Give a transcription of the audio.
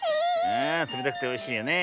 ああつめたくておいしいよね。